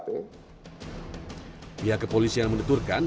pihak kepolisian menuturkan